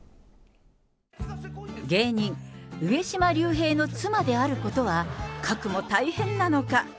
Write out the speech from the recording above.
芸人・上島竜兵の妻であることは、かくも大変なのか。